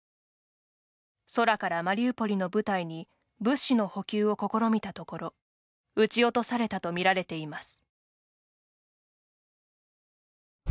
空からマリウポリの部隊に物資の補給を試みたところ撃ち落とされたと見られています。